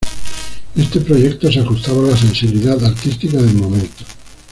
Este proyecto se ajustaba a la sensibilidad artística del momento.